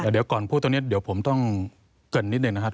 เดี๋ยวก่อนพูดตรงนี้เดี๋ยวผมต้องเกริ่นนิดหนึ่งนะครับ